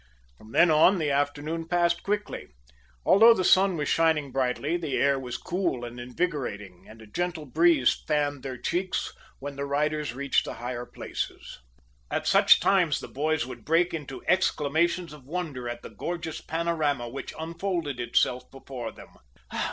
From then on the afternoon passed quickly. Although the sun was shining brightly, the air was cool and invigorating, and a gentle breeze fanned their cheeks when the riders reached the higher places. At such times the boys would break into exclamations of wonder at the gorgeous panorama which unfolded itself before them.